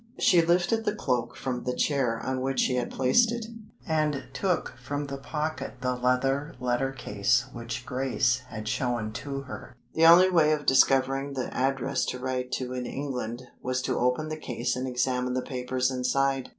She lifted the cloak from the chair on which she had placed it, and took from the pocket the leather letter case which Grace had shown to her. The only way of discovering the address to write to in England was to open the case and examine the papers inside.